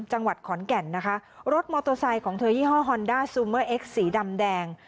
จังหวัดขอนแก่นนะคะรถมอเตอร์ไซค์ของเธอยี่ห้อฮอนด้าซูเมอร์เอ็กซ์สีดำแดง